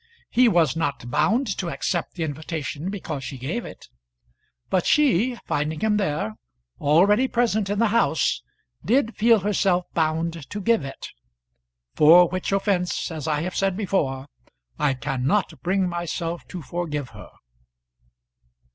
He was not bound to accept the invitation because she gave it; but she, finding him there, already present in the house, did feel herself bound to give it; for which offence, as I have said before, I cannot bring myself to forgive her.